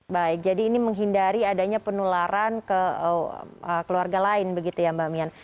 baik jadi ini menghindari adanya penularan ke keluarga lain begitu ya mbak mian